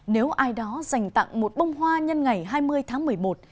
nếu ai đó dành tặng một bông hoa nhân ngày hai mươi tháng một mươi một